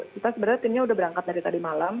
kita sebenarnya timnya udah berangkat dari tadi malam